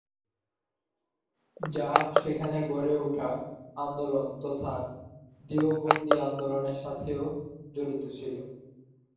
যা সেখানে গড়ে উঠা আন্দোলন তথা "দেওবন্দী আন্দোলনের" সাথেও জড়িত ছিলো।